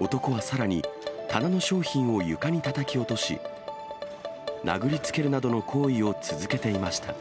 男はさらに、棚の商品を床にたたき落とし、殴りつけるなどの行為を続けていました。